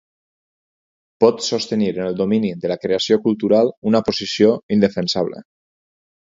Pot sostenir en el domini de la creació cultural una posició indefensable.